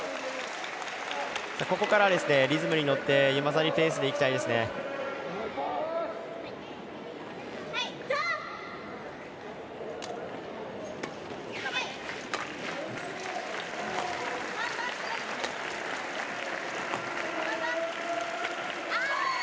ここからリズムに乗ってユマサリペースでいきたいですね。